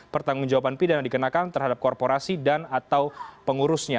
pertanggung jawaban pidana dikenakan terhadap korporasi dan atau pengurusnya